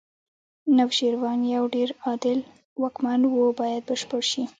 نوشیروان یو ډېر عادل واکمن و باید بشپړ شي.